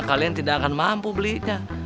kalian tidak akan mampu belinya